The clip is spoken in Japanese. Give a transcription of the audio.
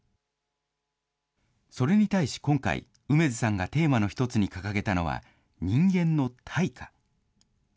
それに対し今回、楳図さんがテーマの一つに掲げたのは、人間の退化。